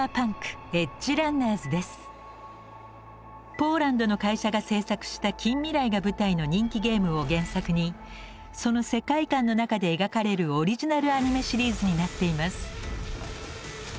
ポーランドの会社が制作した近未来が舞台の人気ゲームを原作にその世界観の中で描かれるオリジナルアニメシリーズになっています。